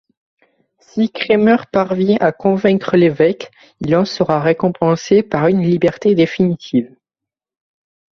Si Kremer parvient à convaincre l'évêque, il en sera récompensé par une liberté définitive.